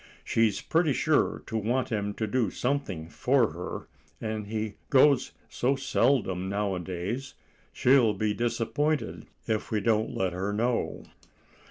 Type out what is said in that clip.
She's pretty sure to want him to do something for her, and he goes so seldom nowadays she'll be disappointed if we don't let her know."